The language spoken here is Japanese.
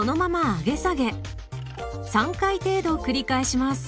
３回程度繰り返します。